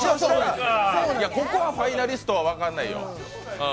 ここはファイナリストは分かんないよ。